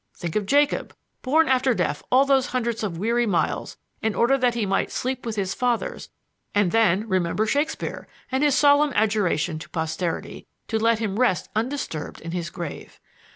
Think of Jacob, borne after death all those hundreds of weary miles in order that he might sleep with his fathers and then remember Shakespeare and his solemn adjuration to posterity to let him rest undisturbed in his grave.